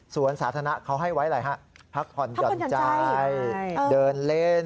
สาธารณะเขาให้ไว้อะไรฮะพักผ่อนหย่อนใจเดินเล่น